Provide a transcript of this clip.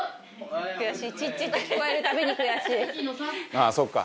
「ああそっか」